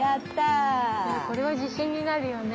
これは自信になるよね。